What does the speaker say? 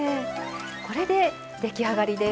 これで出来上がりです。